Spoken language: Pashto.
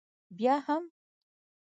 بیا هم؟